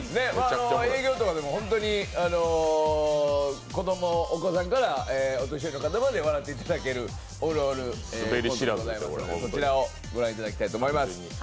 営業とかでも本当にお子さんからお年寄りの方まで笑っていただけるおるおるモノマネでございますのでこちらをご覧いただきたいと思います。